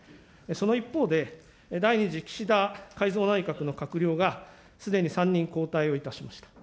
その一方で、第２次岸田改造内閣の閣僚がすでに３人交代をいたしました。